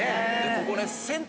ここね。